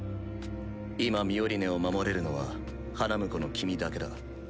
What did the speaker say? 今ミオリネを守れるのは花婿の君だけだ。